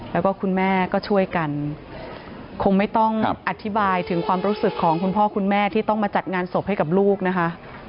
แล้วก็คุณแม่ก็ช่วยกันคงไม่ต้องอธิบายถึงความรู้สึกของคุณพ่อคุณแม่ที่ต้องมาจัดงานศพให้กับลูกนะคะ